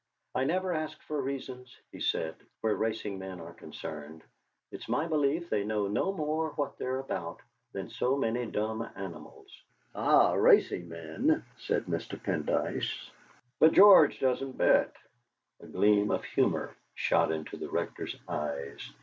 "I never ask for reasons," he said, "where racing men are concerned. It's my belief they know no more what they're about than so many dumb animals." "Ah! racing men!" said Mr. Pendyce. "But George doesn't bet." A gleam of humour shot into the Rector's eyes.